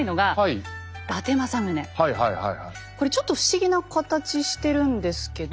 これちょっと不思議な形してるんですけど。